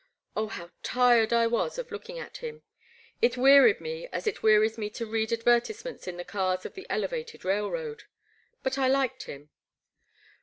Oh, how tired I was of look ing at him; it wearied me as it wearies me to read advertisements in the cars of the elevated railroad. But I liked him.